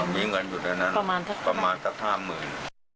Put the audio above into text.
มีเงินอยู่ในนั้นประมาณสักห้ามหมื่น